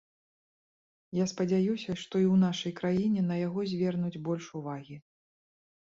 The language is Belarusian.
Я спадзяюся, што і ў нашай краіне на яго звернуць больш увагі.